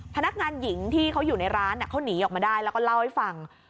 พนักงานหญิงที่เขาอยู่ในร้านเขาหนีออกมาได้แล้วก็เล่าให้ฟัง